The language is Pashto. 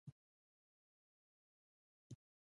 چې وخوري او وڅکي دا حقیقت دی.